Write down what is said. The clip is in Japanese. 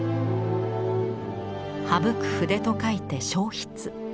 省く筆と書いて「省筆」。